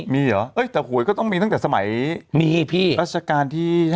มีเหรอแต่หวยก็ต้องมีตั้งแต่สมัยมีพี่รัชกาลที่๕